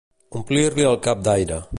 Omplir-li el cap d'aire.